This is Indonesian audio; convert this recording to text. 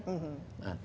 airport sepuluh tahun